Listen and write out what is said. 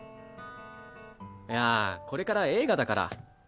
いやこれから映画だから。